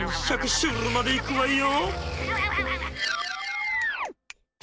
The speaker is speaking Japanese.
シュールまでいくわよ。